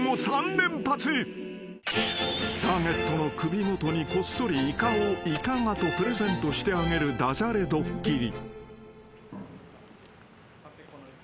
［ターゲットの首元にこっそり「イカをいかが？」とプレゼントしてあげるダジャレドッキリ］